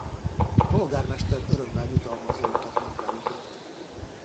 A polgármester örömmel jutalmazza őket munkájukért.